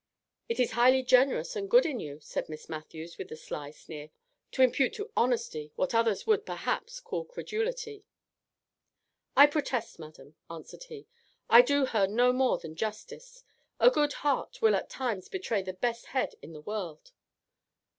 "It is highly generous and good in you," said Miss Matthews, with a sly sneer, "to impute to honesty what others would, perhaps, call credulity." "I protest, madam," answered he, "I do her no more than justice. A good heart will at all times betray the best head in the world.